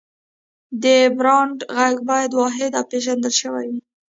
د برانډ غږ باید واحد او پېژندل شوی وي.